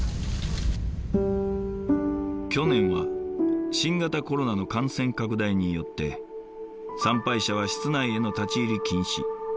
去年は新型コロナの感染拡大によって参拝者は室内への立ち入り禁止。